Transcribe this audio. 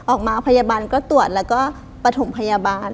ออกมาพยาบาลก็ตรวจแล้วก็ปฐมพยาบาล